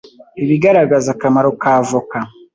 ibigaragaza akamaro k’avoka